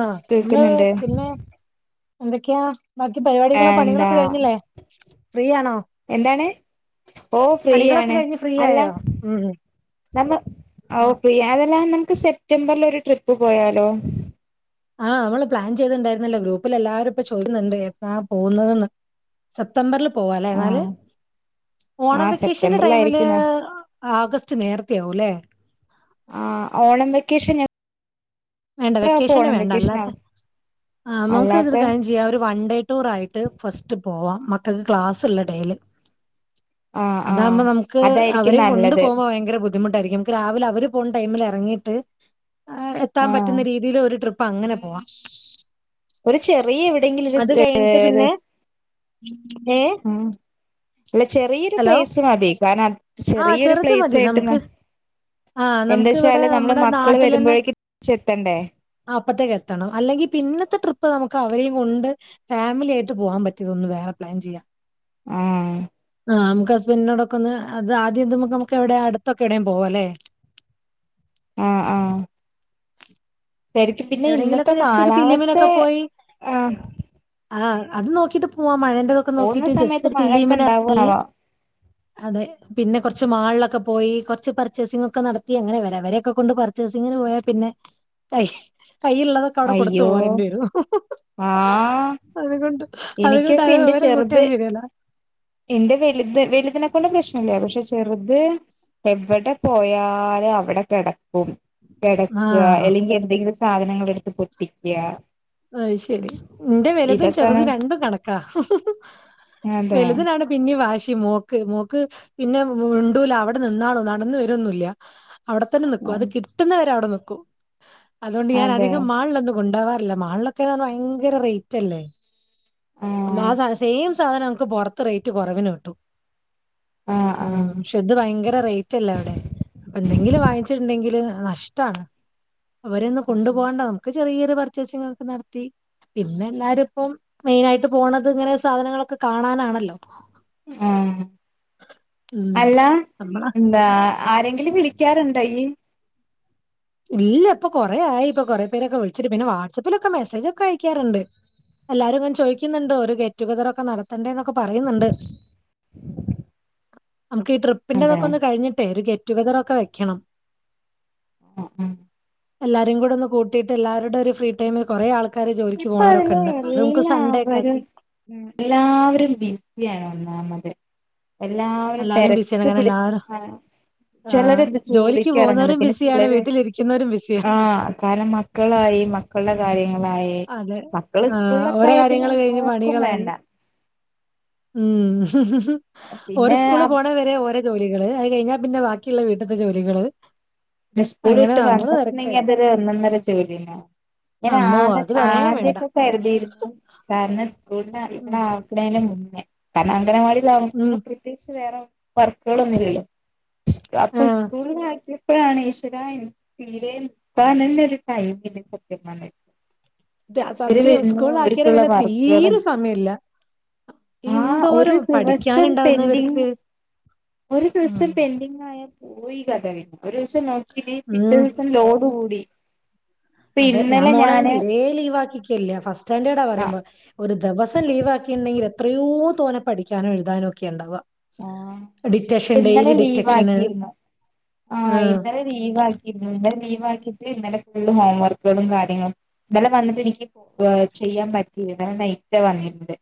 ആഹ് കേൾക്കുന്നുണ്ട് [unintelligible] പിന്നെ എന്തൊക്കെയാ ബാക്കി പരിവാടികളും എന്താ പണികളൊക്കെ കഴിഞ്ഞില്ലേ ഫ്രീ ആണോ? എന്താണ്? ഓ ഫ്രീ പണികളൊക്കെ ആണ് കഴിഞ്ഞ് ഫ്രീ അല്ല ആയോ ഉം നമ്മ അവ് ഫ്രീയാ അതല്ലാ നമ്മക്ക് സെപ്റ്റംബറിലൊരു ട്രിപ്പ് പോയാലോ ആഹ് നമ്മള് പ്ലാൻ ചെയ്തിണ്ടായിര്ന്നല്ലോ ഗ്രൂപ്പിൽ എല്ലാരും ഇപ്പം ചോയിക്കുന്നുണ്ട് എപ്പളാ പോവ്ന്നതെന്ന് സെപ്തംബറില് പോവാലേ ആ ഇന്നാല് ഓണ ആ വെക്കേഷന്റെ ടൈമില് സെപ്റ്റംബറിലായിരിക്കുന്ന ആഗസ്റ്റ് നേരത്തെ ആവൂല്ലേ ആഹ് ഓണം വെക്കേഷന് ഞ വേണ്ട വെക്കേഷന് വേണ്ട വെക്കേഷൻ അല്ലാത്ത ആവും ആഹ് നോക്ക് ഇത് അല്ലാത്ത കാര്യം ചെയ്യാം ഒരു വൺ ഡേ ടൂറായിട്ട് ഫസ്റ്റ് പോവാം മക്കക്ക് ക്ലാസ്ള്ള എടേല് ആ ആ അതാവ്മ്പോ നമ്മക്ക് അതായിരിക്കും അവരേം കൊണ്ട് നല്ലത് പോവ്മ്പോ ഭയങ്കര ബുദ്ധി ബുദ്ധിമുട്ടായിരിക്കും നമ്മക്ക് രാവിലെ അവര് പോണ ടൈമില് എറങ്ങീട്ട് ഏഹ് എത്താൻ ആ പറ്റുന്ന രീതിയിൽ ഒരു ട്രിപ്പ് പ്പങ്ങനെ പോവാ ഒരു ചെറിയ എവിടെയെങ്കിലൊരു സെ രസ് ഏഹ് ഉം അല്ല ചെറിയൊരു പ്ലയിസ് മതി കാരണം അത് ആ ചെറിയൊരു ചെറുത് മതി പ്ലേയിസായിട്ട് നമുക്ക് [unintelligible] ആ നമുക്ക് ഇവിടെ എന്താച്ചാല് നമ്മളെ നമ്മുടെ മക്കള് വരുമ്പഴേക്ക് തിരിച്ചെത്തണ്ടേ ആഹ് അപ്പത്തേക്ക് എത്തണം അല്ലെങ്കി പിന്നത്തെ ട്രിപ്പ് നമ്മക്ക് അവരേം കൊണ്ട് ഫാമിലി ആയിട്ട് പോവാൻ പറ്റിയതൊന്ന് വേറെ പ്ലാൻ ചെയ്യാം ആഹ് ആഹ് നമുക്ക് ഹസ്ബൻ്റിനോടൊക്കെ ഒന്ന് അത് ആദ്യം ഇത് ഇമ്മക്ക് നമ്മക്ക് എവിടെ അടുത്തൊക്കെ എവിടേം പോവാല്ലേ ആഹ് ആഹ് ശരിക്കും പിന്നെ എവിടെങ്കിലു ഇന്നത്തെ ഒക്കെ ജസ്റ്റ് ഒരു കാലാവസ്ഥ ഫിലിമിനൊക്കെ പോയി ആഹ് ആഹ് അത് നോക്കിയിട്ട് പോവാ മഴന്റെതൊക്ക് പോവ്ന്ന സമയത്ത് മഴയൊക്കെണ്ടാവ്വോ ആവോ. അതെ. പിന്നെ കൊർച്ച് മാൾലൊക്കെ പോയി കൊർച്ച് പർച്ചേസിങ്ങൊക്കെ നടത്തി അങ്ങനെ വരാ വരെയൊക്കെ കൊണ്ട് പർച്ചേസിങ്ങിന് പോയാ പിന്നെ. എയ് കൈള്ളതൊക്കെ അവ്ടെ കൊടുത്തു അയ്യോ പോരണ്ടി വരും ആഹ് അതുകൊണ്ട്. അ അത്കൊണ്ട് എനിക്കൊക്കെ അത് അവരെ കൂട്ട്യ ശരിയവില. ഇന്റെ വല്ത് വല്തിനെക്കൊണ്ട് പ്രശ്നല്ല പക്ഷെ ചെറുത്. എവടെ പോയാലും അവിടെ കെടക്കും. കെടക്ക്വ ആഹ് എല്ലെങ്കി എന്തെങ്കിലും സാധനങ്ങളെടുത്ത് പൊട്ടിക്ക്യ. അഹ് ശരി ന്റെ വലുതും ചെറുതും രണ്ടും കണക്കാ അതെ വലുതന പിന്നീ വാശി മോക്ക് മോക്ക് പിന്നെ മ് മിണ്ടൂല അവിടെ നിന്നാണോ നടന്ന് വരൊന്നുല്ല. അവ്ടത്തന്നെ നിക്കു അത് കിട്ടുന്നവരെ അവ്ടെ നിക്കും അതുകൊണ്ട് ഞാ അതെ അധികം മാൾലൊന്നു കൊണ്ടാവാ മാൾലൊക്കെന്നർ ഭയങ്കര റെയ്റ്റല്ലേ മാ ആഹ് സാന സെയിം സാധന നമക്ക് പൊർ ത്ത് റേറ്റ് കൊറവിന് കിട്ടും ആഹ് ആഹ് ഉം ക്ഷ ത് ഭയങ്കര റേറ്റല്ലവിടെ. പ്പെന്തെങ്കിലും വാങ്ങിച്ച്ട്ട്ണ്ടെങ്കില് നഷ്ടാണ്. വരൊന്ന് കൊണ്ടു പോകണ്ട നമുക്ക് ചെറിയരു പർച്ചേസിങ് ഒക്കെ നട്ത്തി. പിന്നെല്ലാരുംപ്പം മെയിനായിട്ട് പോണത്ങ്ങനെ സാധനങ്ങളൊക്കെ കാണാനാണല്ലൊ. ഉം ഉം അല്ലാ നമ്മള എന്താ. ആരെങ്കിലും വിളിക്ക്യാറുണ്ടയ്യ്. ഇല്ല പ്പൊ കൊറെ ആയി പ്പൊ കൊറെ പേരൊക്കെ വിൾച്ചിട്ട് പിന്നെ വാട്സപ്പിലക്കെ മെസ്സേജൊക്കയക്ക്യാറ്ണ്ട്. എല്ലാരുങ്ങെന ചോയ്ക്ക്യുന്നുണ്ട് ഒരു ഗെറ്റുഗതറൊക്ക നട ത്തണ്ടെന്നൊക്കെ പറയുന്ന്ണ്ട് നമുക്കീ ട്രിപ് അതെ പിൻ്റെതൊക്കൊന്ന് കഴിഞ്ഞിട്ടെ ഒരു ഗെറ്റുഗെതറൊക്കെ വെക്ക്യണം. [inaudible] എല്ലാരും കൂടെന്ന് കൂട്ടിട്ട് എല്ലാവരുടെ ഒരു ഫ്രീ ടൈമിൽ കൊറെ ആൾ ക്കാര് ജോലിക്ക്യ് ഇപ്പൊ അതിന് പോണോരൊക്കണ്ട് അപ്പത് നമക്ക് സൺഡേ എല്ലാവരും ക്കാക്കി. എല്ലാവരും ബിസിയാണ് ഒന്നാമത്. എല്ലാവരും എല്ലാരും ബിസിയാണ് തെരക്ക് കാരണം പിടിച്ച് എല്ലാവരും ആ ആ, ചെലര്ന്ത് ജോലിക്ക് ജോളിക്ക്യെറങ്ണ് പോകുന്നവരും പിന്നെ ബിസിയാണ് ചെലര് വീട്ടിലിരിക്കുന്നവരും ബിസിയാണ് ആഹ്. കാരണം മക്കളായി മക്കൾടെ കാര്യങ്ങളായി. അതെ മക്കള് ആഹ് സ്കൂളിലൊക്കെ അവരെ ആയാൽ പിന്നെ കാര്യങ്ങള് കഴിഞ്ഞ് നോക്കും പണികളായി. വേണ്ട ഉം ഓര് പിന്നെ സ്കൂള് പോണ വ രെ ഓരെ ജോലികള് അഹ് കയ്ഞ്ഞാ പിന്നെ ബാക്കിയ്ള്ള വീട്ട്ത്തെ ജോലികള്. ന്നെ സ്കൂള് അങ്ങനെ വിട്ട് നമ്മള് വന്നിട്ട്ണ്ടെങ്കി തെരക്കായി. അതൊരു ഒന്നന്നര ജോലി അമ്മോ! അങ്ങനാണ്. അത് പറയാൻ വേണ്ട. ആദ്യക്കെ കര്തിര്ന്നു. കാര്ണ ഉം. സ്കൂൾലന്നാക്ക്ണേൻ്റെ മുന്നെ കാര്ണ ഉം. അംഗനവാടിലാവുമ്പൊ. ത്യേച്ച് വേറെ വർക്കുകളൊന്നില്ലല്ലോ അപ്പ ആഹ്. സ്കൂൾനാക്ക്യ പ്പഴാണ് ഈശ്വരാ എൻക് തീരെ പ്പാനെന്നൊര് ടൈമില്ല സത്യം പർഞ്ഞ. വര് സത്യം വര്നു സ്കൂളിലാക്കിയാല് വര്ക്ക്ള്ള പിന്നെ വർക്ക്കള്. തീരെ സമയല്ല. ആഹ് എന്തോരം ഒരു ദിവസം പെൻ്റിംഗ്. പഠിക്കാനുണ്ടാവുന്നവർക്ക്. ഒരു ഉം. ദിവസം പെൻഡിങ്ങായ. പോയി കഥ പിന്ന ഒരു ദിവസം നോക്കില്ലങ്കി പിറ്റേ ഉം. ദിവസം ലോഡ് കൂടി. ഇപ്പൊ അതെ ഞാ ഇന്നലെ മളെന്നും ഞാന് തീരേ ലീവാക്കിക്ക്യല്ല ഫസ്റ്റാൻഡേർഡാ ആ പറയുമ്പ. ഒരു ദെവസം ലീവാക്കിണ്ടെങ്കിൽ എത്രയോ തോനെ പഠിക്ക്യാനോ എഴുതാനോ ഒക്കെണ്ടാവ്വ. ആ ഡിറ്റഷൻ ഇന്നലെ ഡെയിലി ലീവ് ഡിറ്റക്ഷന് ആഹ്. ലീവാക്കിന്ന് ഇന്നലെ ലീവാക്കിട്ട് ഇന്നലെ ഫുള്ള് ഹോം വർക്കുകളും കാര്യങ്ങളും. ഇന്നലെ വന്നിട്ടെനിക്ക് ഏഹ് ചെയ്യാൻ പറ്റില ഇന്ന് നൈറ്റ വന്നിര്ന്നത്.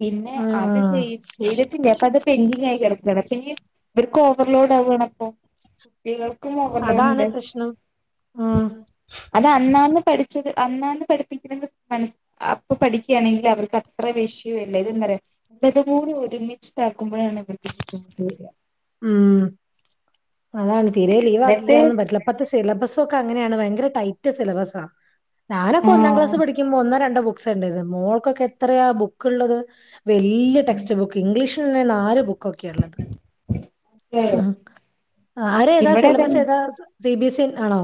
പിന്നെ ആഹ് അത് ആഹ് ചെയ് ചെയ്ത്ട്ടില്ല പ്പത്. പെന്റിങ്ങായി കെടക്കാണ് പ്പഎനിക്ക്യ് ഇവര്ക്കോവർലോഡാവാണപ്പൊ. ഇവൾക്കും അതാണ് ഓവർലോഡുണ്ട്. പ്രശ്നം ആഹ് അതന്നാന്ന് പഠിച്ചത് അന്നാന്ന് പഠിപ്പിക്കണത് മനസ് അപ്പൊ പഠിക്കുകയാണെങ്കിൽ അവൾക്ക് അത്ര വിഷയം ഇല്ല ഇതെന്ന് പറയാൻ ഇത് പോലെ ഒരുമിച്ച് ക്കുമ്പോഴാണ് [unintelligible] ഉം അതാണ് തീരെ ലീവ് എന്നിട്ട് ആക്കിക്കാനും പറ്റില്ല ഇപ്പത്തെ സിലബസ് ഒക്കെ അങ്ങനെയാണ് ഭയങ്കര ടൈറ്റ് സിലബസാ ഞാനൊക്കെ ഒന്നാം ആഹ് ക്ലാസ് പഠിക്കുമ്പോ ഒന്നോ രണ്ടോ ബുക്സ് ഉണ്ടായിരുന്നുള്ളൂ മോൾക്കൊക്കെ എത്രയാ ബുക്ക് ഉള്ളത് വലിയ ടെക്സ്റ്റ് ബുക്ക് ഇംഗ്ലീഷ് തന്നെ നാല് ബുക്കൊക്കെ ഉള്ളത് ഉം ആരെ ഏതാ ഇവിടെ സിലബസ് ഏതാ സിബി എസ് ഇ ആണോ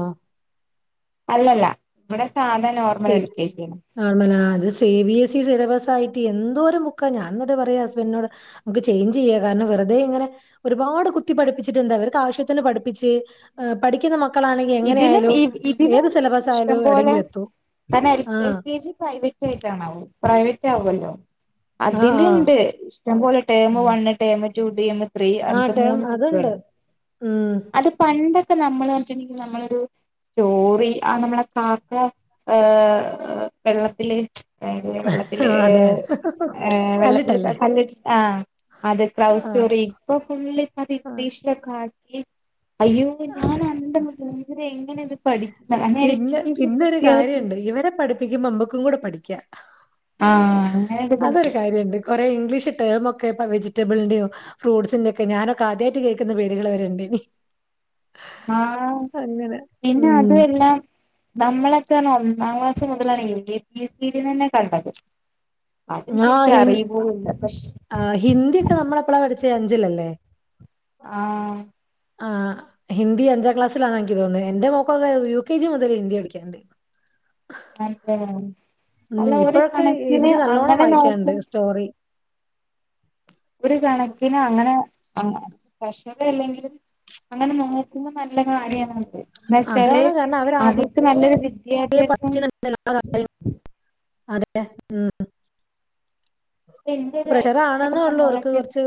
അല്ലല്ല ഇവിടെ സാധാ നോർമൽ എൽ കെ ജി ആണ് നോർമല ആ അത് C B S E syllabus ആയിട്ട് എന്തോരം ബുക്കാ ഞാനത് പറയാ ഹസ്ബൻഡിനോട് നമുക്ക് ചെയ്ഞ്ച് ചെയ്യാം കാരണം വെറുതെ ഇങ്ങനെ ഒരുപാട് കുത്തി പഠിപ്പിച്ചിട്ടുണ്ട് അവർക്ക് ആവശ്യത്തിന് പഠിപ്പിച്ച് പഠിക്കുന്ന മക്ക മക്കളാണെങ്കിൽ എങ്ങനെ ഇതിലും ആയാലും ഇതിലും ഏത് കിട്ടും സിലബസ് ഇഷ്ടം ആയാലും പോലെ എവിടെയെങ്കിലും എത്തും. കാരണം എൽ ആ. എൽ കെ ജി പ്രൈവറ്റ് ആയിട്ടാണാവോ പ്രൈവറ്റ് ആവുമല്ലോ ആ, ആ. അതിലുണ്ട് ഇഷ്ടംപോലെ ടേമ് ഉം. One term two term three എന്ന് ത്രീ ആ അടുത്ത ടേം മൂന്ന് ബുക്കുകൾ അതുണ്ട്. ഉം. അത് പണ്ടൊക്കെ നമ്മൾ പറഞ്ഞിട്ടുണ്ടെങ്കിൽ നമ്മളൊരു സ്റ്റോറി അത് നമ്മളെ കാക്ക വെള്ളത്തിൽ [unintelligible] വെള്ളത്തിൽ ആ, ഏ അതെ. അതെ. എ വെള്ളത്തിൽ കല്ലിട്ടല്ലേ? കല്ലിട്ട ആഹ അത് ക്ലൗ ആ, സ്റ്റോറി ഇപ്പൊ ഫുള്ള് ആ. ഇംഗ്ലീഷിൽ ഒക്കെ ആക്കി അയ്യോ ഞാൻ അതെ. അന്തം വിട്ടുപോയി ഇവര് എങ്ങനെ ഇത് പഠിക്കും പിന്നെ പിന്നൊരു കാര്യം ഉണ്ട് ഇവരെ പഠിപ്പ പികുമ്പോ നമുക്കുംകൂടി പഠിക്കാം ആഹ് അതൊരു അങ്ങനൊരിതുണ്ട് കാര്യമുണ്ട് കുറെ ഇംഗ്ലീഷ് ടെം ഒക്കെ ഇപ്പോ വെജിറ്റബിളിന്റെയോ ഫ്രൂട്ട്സിന്റെറെ ഒക്കെ ഞാനൊക്കെ ആദ്യമായിട്ട് കേൾക്കുന്ന പേരുകൾ വരെയുണ്ട് ആഹ പിന്നെ അതു ഉം എല്ലാം നമ്മളൊക്കെ ഒന്നാം ക്ലാസ് മുതലാണ് എബിസിഡി ഒക്കെ കണ്ടത് അതും ശരിക്ക് അറിയ പോലുമില്ല പക്ഷെ ആഹ ഹിന്ദി ഒക്കെ നമ്മൾ എപ്പളാ പഠിച്ച അഞ്ചിലല്ലേ ആഹ ആഹ ഹിന്ദി അഞ്ചാം ക്ലാസിലാണ് എനിക്ക് തോന്നുന്നത് എന്റെ എന്റെ മോൾക്കൊക്കെ യു കെ ജി മുതൽ ഹിന്ദി പഠിക്കുന്നുണ്ട് അതെ ഉം ഏ ഒരു ഇപ്പോഴൊക്കെ കണക്കിന് ഹിന്ദി നല്ലോണം അങ്ങനെ വായിക്കാണ്ട് നോക്കും സ്റ്റോറി ഒരു കണക്കിന് അങ്ങനെ കഷ്ടത ഇല്ലെങ്കിലും അങ്ങനെ നോക്കുമ്പ നല്ല കാര്യാണിത് എന്നു വെച്ചാല് അതാണ് കാരണം അവരാദ്യ അവർക്ക് നല്ലൊരു വിദ്യാഭ്യാസം [inaudible] അതെ ഉം ഉം എന്റൊരു പ്രഷർ ആണെന്നേ ഏട്ടന്റെ ഉള്ളൂ അവർക്ക് മോളൊക്കെ കുറച്ച്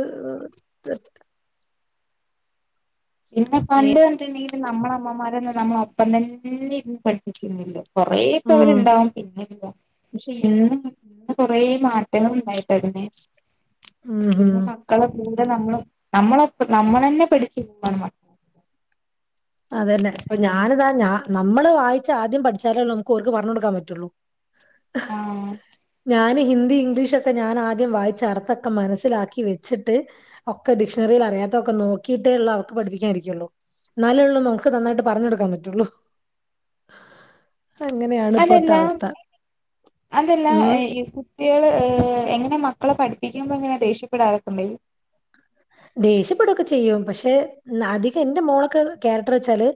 ഇന്ന പണ്ട് ഏഹ് പറഞ്ഞിട്ടുണ്ടെങ്കിൽ നമ്മുടെ അമ്മമാര് തന്നെ നമ്മളെ ഒപ്പം തന്നെ ഇരുന്ന് പഠിപ്പിക്കുന്നില്ലേ കുറേ ഉം പേരുണ്ടാകും പിന്നെല്ല പക്ഷെ ഇന്ന് ഇന്ന് കൊറേ മാറ്റങ്ങൾ ഉണ്ടായിട്ട് തന്നെ ഉം ഉം പിന്നെ മക്കളെ കൂടെ നമ്മള് നമ്മള് നമ്മൾ തന്നെ പഠിപ്പിക്കണം അതന്നെ അപ്പൊ ഞാനിതാ ഞാൻ നമ്മൾ വായിച്ച്. ആദ്യം പഠിച്ചാലേ നമുക്ക് ഓർക്ക് പറഞ്ഞ് കൊടുക്കാൻ പറ്റുള്ളൂ ആഹ ഞാന് ഹിന്ദി ഇംഗ്ലീഷൊക്കെ ഞാൻ ആദ്യം വായിച്ചർത്തൊക്കെ മനസ്സിലാക്കി വെച്ചിട്ട് ഒക്കെ ഡിക്ഷണറിയിൽ അറിയാത്തതക്കെ നോക്കിട്ട ഉള്ള അവർക്ക് പഠിപ്പിക്കായിരിക്കയുള്ളു ന്നാലൊള്ളു നമുക്ക് നന്നായിട്ട് പറഞ്ഞ കൊടുക്കാൻ പറ്റുള്ളു അതെല്ല അതല്ല ഉം. കുട്ടിയോൾ എങ്ങനെ മക്കളെ പഠിപ്പിക്കുമ്പോ എങ്ങനെ ദേഷ്യപ്പെടാറ് ഒകെ ഉണ്ടോ ദേഷ്യപ്പെടുകൊക്കെ ചെയ്യും പക്ഷെ അധികം എൻന്റെ മോളൊക്കെ ക്യാരക്ടർ വെച്ചാല്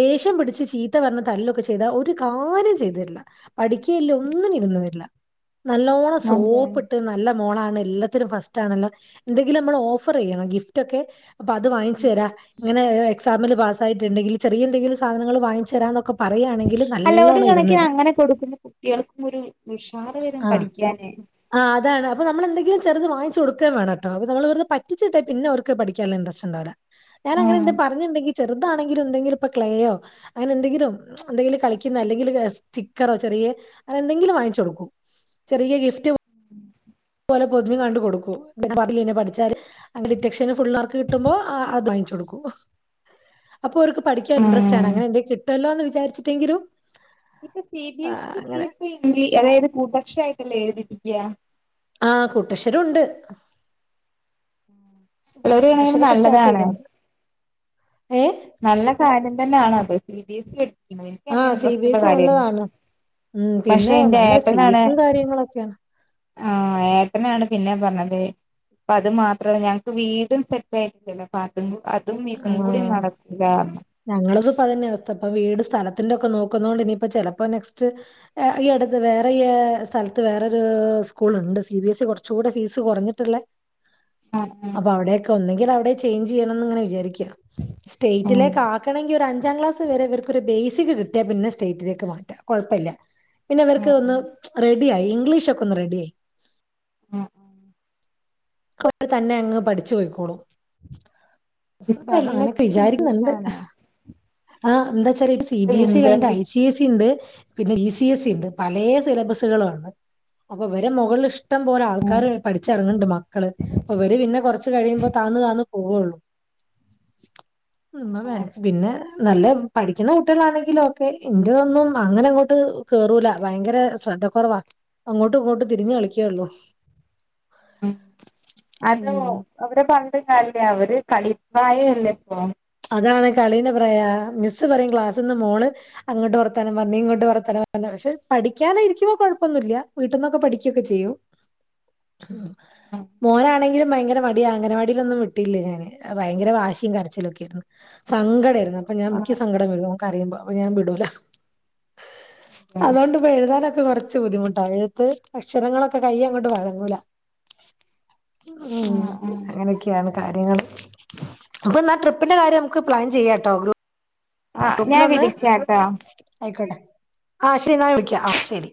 ദേഷ്യം പിടിച്ച് ചീത്ത പറഞ്ഞാ തല്ലൊക്കെ ചെയ്ത ഒരു കാര്യം ചെയ്തു തരില്ല പഠിക്കുകയില്ല ഒന്നിനും ഇരുന്ന് തരില്ല നല്ലോണം അതെ സോപ്പിട്ട് നല്ല മോളാണ് എല്ലാത്തിനും ഫസ്റ്റ് ആണല്ലോ എന്തെങ്കിലും നമ്മള് ഓഫ- ഓഫറ് ചെയ്യണം ഗിഫ്റ്റ് ഒക്കെ അപ്പ അത് വാങ്ങിച്ചു ഉം തരാം ഇങ്ങനെ- എക്സമിന് പാസായിട്ടണ്ടെങ്കിൽ ചെറിയ എന്തെങ്കിലും സാധനങ്ങള് വാങ്ങിച്ച് തരാമൊക്കെ- പറയുവാണേ അല്ല ഒരു കണക്കിന് അങ്ങനെ കൊടുക്കുന്ന കുട്ടികൾക്കും ഒരു ഉഷാറ് വരും പഠിക്കാനെ ആഹ് അതാണ് അപ്പ നമ്മള് എന്തെങ്കിലും ചെറുത് വാങ്ങിച്ചു കൊടുക്കൂവേണം കേട്ടോ അപ്പ നമ്മള് വെറുതെ - പറ്റിച്ചിട്ടേ പിന്നെ അവർക്ക് പഠിക്കാനുള്ള ഇൻറ്രസ്റ്റ്ണ്ടാവില്ല ഞാൻ അങ്ങനെ ആഹ് എന്തേലും പറഞ്ഞിട്ടുണ്ടെങ്കിൽ - ചെറുതാണെങ്കിലും എന്തെങ്കിലും ഇപ്പൊ ക്ലയോ- അങ്ങനെ എന്തെങ്കിലും എന്തെങ്കിലും കളിക്കുന്ന അല്ലെങ്കിൽ സ്റ്റിക്കറോ ചെറിയ- അങ്ങനെ എന്തെങ്കിലും വാങ്ങിച്ചു കൊടുക്കും ചെറിയ ഗിഫ്റ്റ്- [unintelligible] ലെ പൊതിഞ് എങ്ങാണ്ട് കൊടുക്കും [unintelligible] പഠിച്ചാല് അങ്ങനെ ഡിറ്റക്ഷന് ഫുൾ മാർക്ക് കിട്ടുമ്പോ അത് വാങ്ങിച്ചു കൊടുക്കും [inaudible] അപ്പൊ അവർക്ക് പഠിക്കാൻ ഇൻട്രസ്റ് ആണ് ആഹ് അങ്ങനെ എന്തൊ കിട്ടുമല്ലോന്ന് വിചാരിട്ടെങ്കിലും- ഇപ്പൊ സി ബി എസ് സ്കൂളി ഇപ്പോ അതായത് കൂട്ടക്ഷരവായിട്ടല്ലേ എഴുതിപ്പിക്കാ ആഹ് കൂട്ടക്ഷരം ഒണ്ട് അല്ല ഒരു കണക്കിന് കൂട്ടക്ഷരമൊക്ക സ്റ്റാർട്ട് നല്ലതാണ് ചെയ്തിണ്ട് ഏയെ നല്ല കാര്യം തന്നെയാണ് അത് സി ബി എ സി - ആഹ് സി ബി എ സി നല്ലതാണ് ഉം പക്ഷെ പിന്നെ എന്റെ നല്ല ഏട്ടനാണ് ഫീസും കാര്യങ്ങളൊക്കെയാണ് ആഹ് ഏട്ടനാണ് പിന്നെ പറഞ്ഞത് അപ്പ അത് മാത്രമല്ല ഞങ്ങക്ക് വീടും സെറ്റ് ആയിട്ടില്ലല്ലോ അപ്പ അതുംകൂടി - ആഹ് ഞങ്ങളേതും ഇപ്പ തന്നെയാ അവസ്ഥ ഇപ്പൊ വീട് സ്ഥലത്തിന്റെ ഒക്കെ നോക്കുന്നൊണ്ട് ഇനിയിപ്പ ചെലപ്പോ നെക്സ്റ്റ്- ഈ അടുത്ത് വേറെ ഈ സ്ഥലത്ത് വേറൊരു സ്കൂളുണ്ട് സി ബി എസ് ഇ കൊറച്ചു കൂടെ ഫീസ് കൊറ ഞ്ഞട്ട്- അപ്പൊ അവിടെക്കെ ഒന്നുകിൽ അവിടെ ചേഞ്ച് ചെയ്യണംന്ന് ഇങ്ങനെ വിചാരിക്ക ഉം സ്റ്റേറ്റിലേക്ക്‌ ആ- ആണെങ്കിൽ ഒരു അഞ്ചാം ക്ലാസ് വരെ ഇവർക്കൊരു ബേസിക് കിട്ടിയാ പിന്നെ സ്റ്റേറ്റിലേക്ക് മാറ്റാം കൊഴപ്പമില്ല പിന്നെ അവർക്ക് ഒന്ന് റെടിയായി ഇംഗ്ലീഷ് ഒക്കെ ഒന്ന് റെഡിയായി ആഹ് അവര് തന്നെ അങ്ങ് പഠിച്ചു പോയിക്കോളും അപ്പ ഇപ്പൊ അത് അങ്ങനെയൊക്കെ എല്ലാത്തിനും വിചാരിക്കുന്നുണ്ട് ഇംഗ്ലീഷാണ് ആഹ് എന്നുവെച്ചാല് സി ഇപ്പൊ ബി എസ് ഇ കഴിഞ്ഞ് interview I C - C S C ഉണ്ട് പിന്നെ ഇ സി എസ് സി ഉണ്ട് പല സിലബസുകളും ആണ് അപ്പൊ വരെ മുകളിൽ ഷ- ഇഷ്ടം പോല ആൾക്കാര് പഠിച്ചിറങ്ങുന്നുണ്ട് മാ- അവര് പിന്നെ കൊറച്ച് കഴിയുമ്പോ താന്നു താന്നു പോവുള്ളൂ ഉമ്മ ആഹ് വാങ്ങിച്ചു പിന്നെ- നല്ല പഠിക്കുന്ന കുട്ടികളാണെങ്കിൽ ഒക്കെ ഇന്റെതൊന്നും അങ്ങനെ അങ്ങോട്ട് കേറൂല ഭയങ്കര ശ്രദ്ധ- കൊറവാ അങ്ങോട്ടും ഇങ്ങോട്ടും തിരിഞ്ഞ് കളിക്കേയുള്ളൂ ഉം അത് ഉം അവര് പറഞ്ഞിട്ടും കാര്യമില്ല അവര് കളിപ്രായം അല്ലേ ഇപ്പം അതാണ് കളിന്ന് പറയാ മിസ്സ് പറയും ക്ലാസ്സ് ഇന്ന് മോള്- അങ്ങട്ട് വർത്താനം പറഞ്ഞ് ഇങ്ങട്ട് വർത്താനം പറഞ്ഞ് പക്ഷെ പഠിക്കാനായിരിക്കുമ്പോ കൊഴപ്പൊന്നില്ല വീട്ടിന്നൊക്കെ പഠിക്കൊക്കെ ചെയ്യും. ആഹ് [unintelligible] ആഹ് മോനാണെങ്കിലും ഭയങ്കര മടിയാ അംഗനവാടിയിലൊന്നും വിട്ടില്ല ഞാന് ഭയങ്കര വാശിയും- കരച്ചിലൊക്കെ സങ്കടയായിരുന്നു അപ്പൊ ഞാൻ ഇനിക്ക് ആഹ് സങ്കട- [unintelligible] ഓന് കരയുമ്പോ ഞാൻ വിടൂല അതോണ്ടും- ഇപ്പം എഴുതാനൊക്കെ കൊറച്ച് ബുദ്ധിമുട്ടാ എഴുത്ത് അക്ഷരങ്ങളൊക്കെ കയ്യ് അങ്ങോട്ട് വഴങ്ങൂല മ്മ് ആഹ് അങ്ങനെയൊക്കെയാണ് കാര്യങ്ങള് അപ്പൊ എന്നാ ട്രിപ- ട്രിപിന്റെ കാര്യം നമുക്ക് പ്ലാൻ ചെയ്യാട്ടോ ഗ്രൂ ആഹ് ഞാൻ പ്പിലൊന്ന് വിളിക്കാട്ടോ ആയിക്കോട്ടെ ആഹ് ശരി ന്നാ വിളിക്കാ ആഹ് ശരി.